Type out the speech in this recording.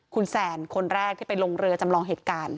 คุณแซนคนแรกที่ไปลงเรือจำลองเหตุการณ์